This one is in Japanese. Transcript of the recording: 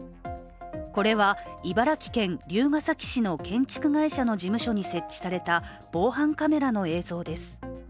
これは茨城県龍ケ崎市の建築会社の事務所に設置された防犯カメラの映像です。